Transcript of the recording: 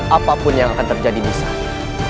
apapun yang akan terjadi di saat ini